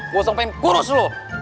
gue usah pengen kurus lo